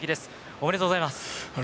おめでとうございます。